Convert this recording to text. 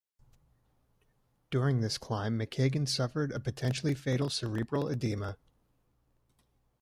During this climb McKagan suffered a potentially fatal cerebral edema.